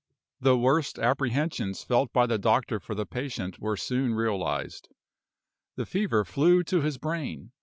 The worst apprehensions felt by the doctor for the patient were soon realized. The fever flew to his brain.